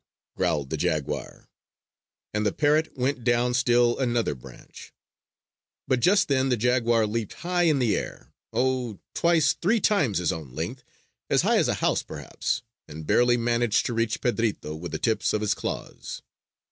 growled the jaguar. And the parrot went down still another branch. But just then the jaguar leaped high in the air oh, twice, three times his own length, as high as a house perhaps, and barely managed to reach Pedrito with the tips of his claws.